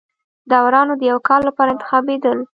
داورانو د یوه کال لپاره انتخابېدل.